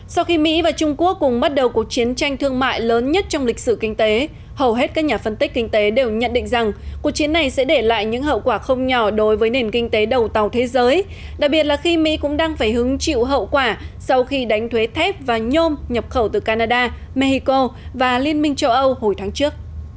sau khi mỹ và trung quốc cùng bắt đầu cuộc chiến tranh thương mại lớn nhất trong lịch sử kinh tế hầu hết các nhà phân tích kinh tế đều nhận định rằng cuộc chiến này sẽ để lại những hậu quả không nhỏ đối với nền kinh tế đầu tàu thế giới đặc biệt là khi mỹ cũng đang phải hứng chịu hậu quả sau khi đánh thuế thép và nhôm nhập khẩu từ canada mexico và liên minh châu âu hồi tháng trước